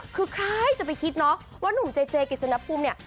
คือใครจะไปคิดเนาะว่านุ่มเจเจกิจสนภูมิเนี่ย